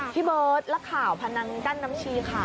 พี่เบิร์ตและข่าวพนังกั้นน้ำชีค่ะ